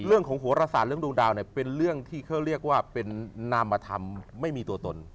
โหรศาสตร์เรื่องดวงดาวเนี่ยเป็นเรื่องที่เขาเรียกว่าเป็นนามธรรมไม่มีตัวตน